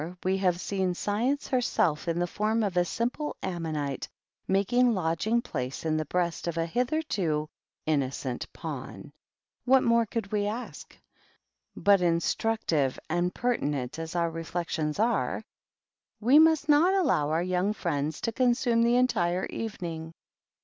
We have seen Science hersel in the form of a simple ammonite, making lodging place in the breast of a hitherto innocei pawn. What more can we ask ? But instructi^ and pertinent as our reflections are, we must n( THE GREAT OCCASION. 251 allow our young friends to consume the entire evening.